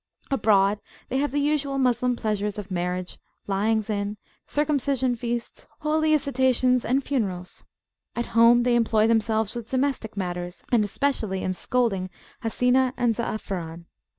[FN#34] Abroad, they have the usual Moslem [p.20]pleasures of marriage, lyings in, circumcision feasts, holy isitations, and funerals. At home, they employ themselves with domestic matters, and especially in scolding Hasinah and Zaafaran.